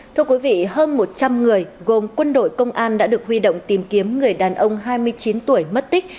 thưa quý vị hơn một trăm linh người gồm quân đội công an đã được huy động tìm kiếm người đàn ông hai mươi chín tuổi mất tích